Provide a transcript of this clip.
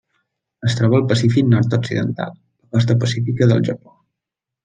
Es troba al Pacífic nord-occidental: la costa pacífica del Japó.